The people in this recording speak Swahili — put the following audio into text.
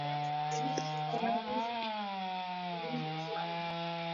tumia karatasi nyeusi kufunika wakati wa kuanika viazi